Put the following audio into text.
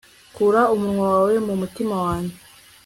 kura umunwa wawe mu mutima wanjye